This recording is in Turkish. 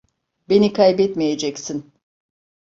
Beni kaybetmeyeceksin.